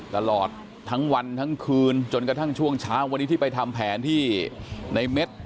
ตลอดทั้งวันทั้งคืนจนกระทั่งช่วงเช้าวันนี้ที่ไปทำแผนที่ในเม็ด